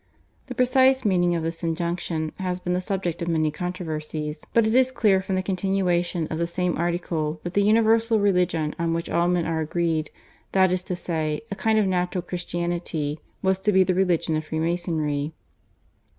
The precise meaning of this injunction has been the subject of many controversies, but it is clear from the continuation of the same article that the universal religion on which all men are agreed, that is to say, a kind of natural Christianity, was to be the religion of Freemasonry.